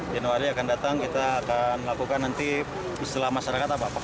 januari akan datang kita akan lakukan nanti istilah masyarakat apa paku bumi ya